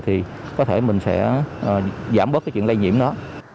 thì có thể mình sẽ giảm bớt cái chuyện lây nhiễm đó